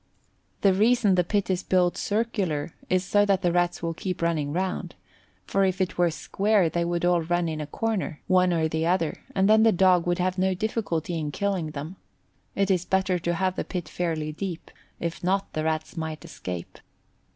The reason the pit is built circular is so that the Rats will keep running round, for if it were square they would all run in a corner, one on the other, and then the dog would have no difficulty in killing them. It is better to have the pit fairly deep; if not, the rats might escape.